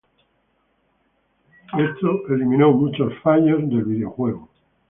Esto eliminó muchos fallos del videojuego.